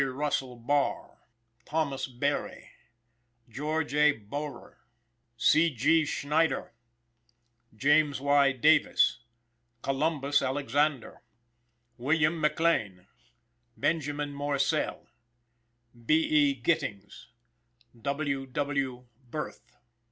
Russell Barr, Thomas Berry, George A. Bohrer, C. G. Schneider, James Y. Davis, Columbus Alexander, William McLean, Benjamin Morsell, B. E. Gittings, W. W. Birth.